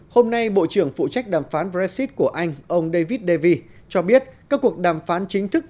hôm nay bộ trưởng phụ trách đàm phán brexit của anh ông david davi cho biết các cuộc đàm phán chính thức